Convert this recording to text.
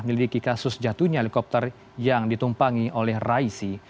menyelidiki kasus jatuhnya helikopter yang ditumpangi oleh raisi